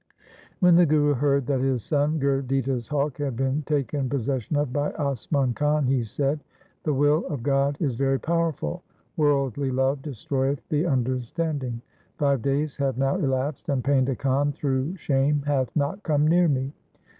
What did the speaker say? When the Guru heard that his son Gurditta's hawk had been taken possession of by Asman Khan, he said, ' The will of God is very powerful. Worldly love destroyeth the understanding. Five days have THE SIKH RELIGION now elapsed, and Painda Khan through shame hath not come near me.'